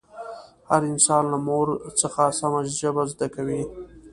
هر انسان له مور څخه سمه ژبه زده کوي